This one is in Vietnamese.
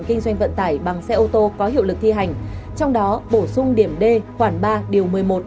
kinh doanh vận tải bằng xe ô tô có hiệu lực thi hành trong đó bổ sung điểm d khoảng ba điều một mươi một